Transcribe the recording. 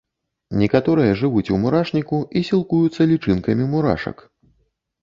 Некаторыя жывуць у мурашніку і сілкуюцца лічынкамі мурашак.